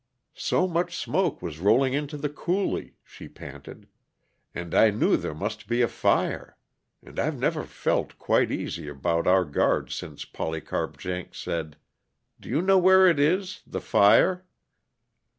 "So much smoke was rolling into the coulee," she panted, "and I knew there must be a fire. And I've never felt quite easy about our guards since Polycarp Jenks said Do you know where it is the fire?"